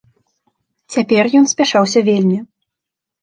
Цяпер ён спяшаўся вельмі.